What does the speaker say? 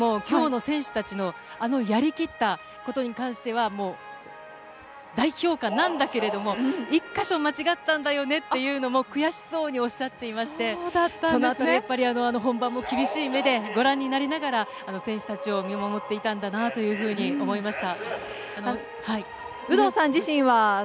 監督ご自身も今日の選手たちの、あのやりきったことに関しては、大評価なんだけれども、一か所間違ったんだよねっていうのも悔しそうにおっしゃっていまして、そのあたりは、やっぱり本番も厳しい目でご覧になりながら、選手たちを見守っていたんだなというふうに思いました。